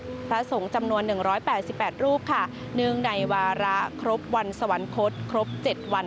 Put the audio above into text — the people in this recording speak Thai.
วันุษยาภาษาสงฆ์จำนวน๑๘๘รูปในวาระครบวันสวรรคตครบ๗วัน